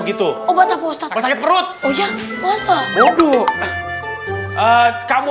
begitu obat obat perut oh ya masa bodoh kamu